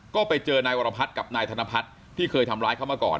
ก็ไปเจอนายวรพัฒน์กับนายธนพัฒน์ที่เคยทำร้ายเขามาก่อน